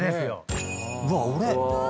うわっ俺。